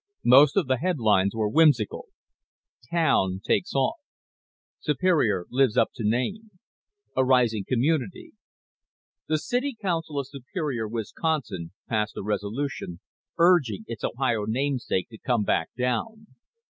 Most of the headlines were whimsical: TOWN TAKES OFF SUPERIOR LIVES UP TO NAME A RISING COMMUNITY The city council of Superior, Wisconsin, passed a resolution urging its Ohio namesake to come back down.